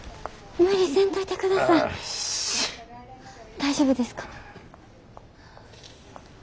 大丈夫ですか？